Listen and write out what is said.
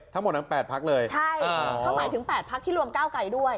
ทั้งหมดนั้นแปดพักเลยใช่อ่าเขาหมายถึงแปดพักที่รวมก้าวไกรด้วย